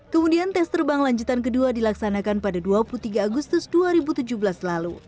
kemudian tes terbang lanjutan kedua dilaksanakan pada dua puluh tiga agustus dua ribu tujuh belas lalu